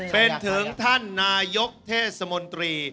เป็นถึงท่านนายกเทศมนตรี